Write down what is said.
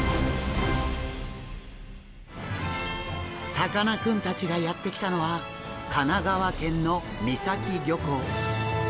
さかなクンたちがやって来たのは神奈川県の三崎漁港。